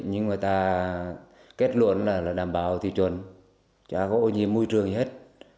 nhưng người ta kết luận là đảm bảo thị trường chả có ô nhiễm môi trường gì hết